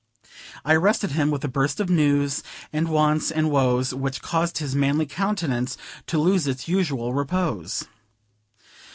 I arrested him with a burst of news, and wants, and woes, which caused his manly countenance to lose its usual repose.